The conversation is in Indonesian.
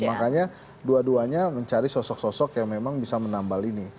makanya dua duanya mencari sosok sosok yang memang bisa menambal ini